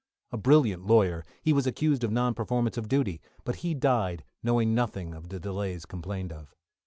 A brilliant lawyer, he was accused of non performance of duty; but he died, knowing nothing of the delays complained of.